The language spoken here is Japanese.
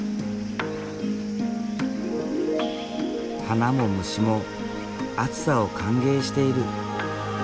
花も虫も暑さを歓迎している。